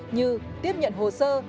như tiếp nhận hồ sơ